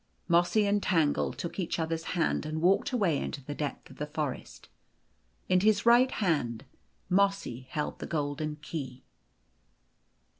Mossy and Tangle took each other's hand / and walked away into the depth of the forest. In his right hand Mossy held the golden key.